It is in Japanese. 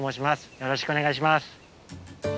よろしくお願いします。